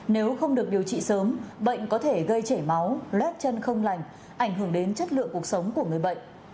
nếu không được điều trị sớm bệnh có thể gây chảy máu lét chân không lành ảnh hưởng đến chất lượng cuộc sống của người bệnh